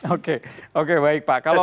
oke oke baik pak